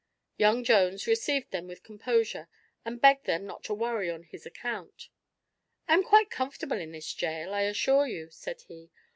Young Jones received them with composure and begged them not to worry on his account. "I am quite comfortable in this jail, I assure you," said he.